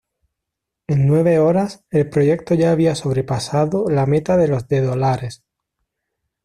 En nueve horas, el proyecto ya había sobrepasado la meta de los de dolares.